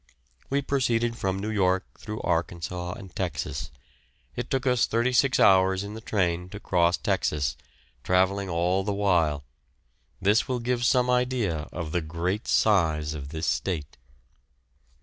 We proceeded from New York through Arkansas and Texas. It took us thirty six hours in the train to cross Texas, travelling all the while; this will give some idea of the great size of this state.